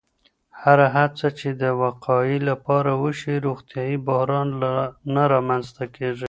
هره هڅه چې د وقایې لپاره وشي، روغتیایي بحران نه رامنځته کېږي.